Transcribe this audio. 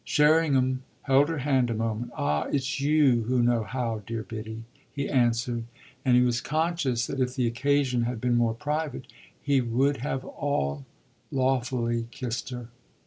Sherringham held her hand a moment. "Ah it's you who know how, dear Biddy!" he answered; and he was conscious that if the occasion had been more private he would have all lawfully kissed her.